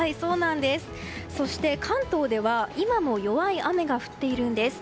そして、関東では今も弱い雨が降っているんです。